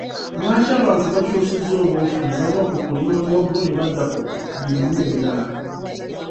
Lwaki abantu bakyusizza obuufu ne bava ku kulima muwogo ne badda ku birime ebirala?